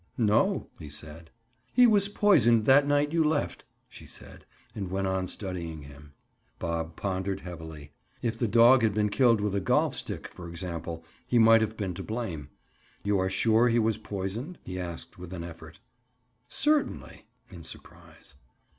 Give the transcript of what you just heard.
"No," he said. "He was poisoned that night you left," she said, and went on studying him. Bob pondered heavily. If the dog had been killed with a golf stick for example, he might have been to blame. "You are sure he was poisoned?" he asked with an effort. "Certainly." In surprise.